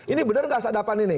ini benar nggak sadapan ini